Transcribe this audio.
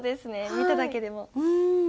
見ただけでも。